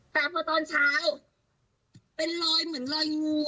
แต่พอตอนเช้าเป็นรอยเหมือนรอยงู